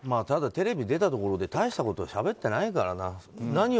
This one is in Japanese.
ただ、テレビ出たところで大したことしゃべってないからな。